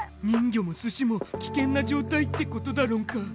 人魚もスシも危険な状態ってことだろんか。